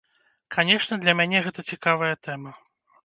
Канешне, для мяне гэта цікавая тэма.